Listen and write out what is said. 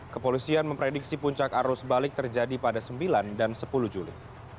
kepolisian memprediksi puncak arus balik terjadi pada sembilan dan sepuluh juli